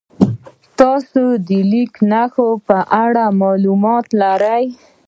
تاسې د لیک نښو په اړه معلومات لرئ؟